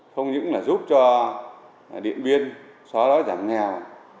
không những là giúp cho điện biên xóa đói giảm nghèo